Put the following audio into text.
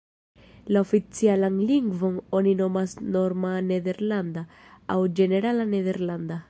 La oficialan lingvon oni nomas Norma Nederlanda, aŭ Ĝenerala Nederlanda.